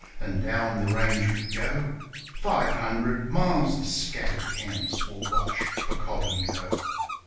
and down the range we go ; Five hundred miles of scattered camps will watch for Cobb and Co.